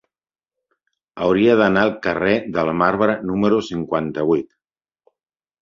Hauria d'anar al carrer del Marbre número cinquanta-vuit.